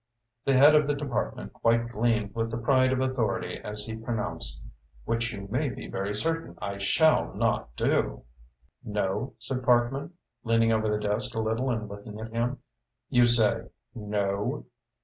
The head of the department quite gleamed with the pride of authority as he pronounced: "Which you may be very certain I shall not do." "No?" said Parkman, leaning over the desk a little and looking at him. "You say no?"